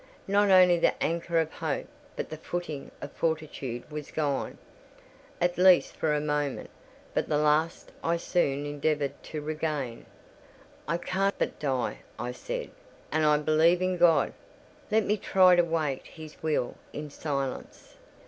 Not only the anchor of hope, but the footing of fortitude was gone—at least for a moment; but the last I soon endeavoured to regain. "I can but die," I said, "and I believe in God. Let me try to wait His will in silence."